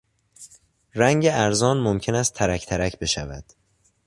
رنگ ارزان ممکن است ترک ترک بشود.